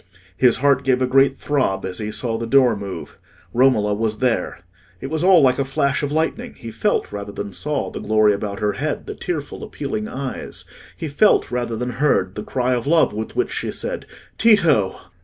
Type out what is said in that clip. His heart gave a great throb as he saw the door move: Romola was there. It was all like a flash of lightning: he felt, rather than saw, the glory about her head, the tearful appealing eyes; he felt, rather than heard, the cry of love with which she said, "Tito!"